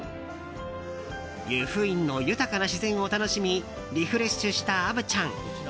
由布院の豊かな自然を楽しみリフレッシュした虻ちゃん。